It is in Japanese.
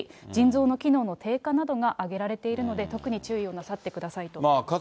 腎臓の機能の低下などが挙げられているので、特に注意をなさってくださいということです。